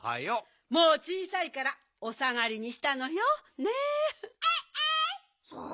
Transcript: もうちいさいからおさがりにしたのよ。ね。